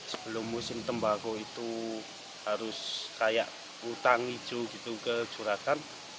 sebelum musim tembago itu harus kayak hutang hijau gitu kecurahkan